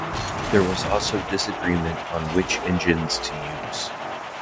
There was also disagreement on which engines to use.